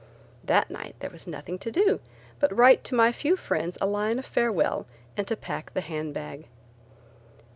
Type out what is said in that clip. That night there was nothing to do but write to my few friends a line of farewell and to pack the hand bag.